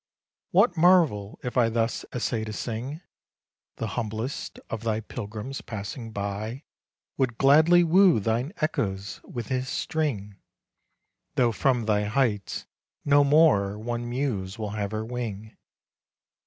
5 What marvel if I thus essay to sing? The humblest of thy pilgrims passing by Would gladly woo thine Echoes with his string, Though from thy heights no more one Muse will wave her wing.